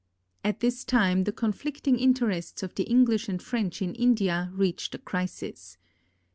At this time the conflicting interests of the English and French in India reached a crisis.